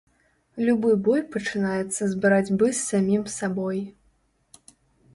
Любы бой пачынаецца з барацьбы з самім сабой.